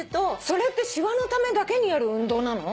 それってしわのためだけにやる運動なの？